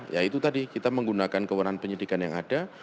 ya itu tadi kita menggunakan kewenangan penyidikan yang ada